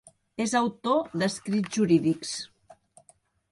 És autor d'escrits jurídics.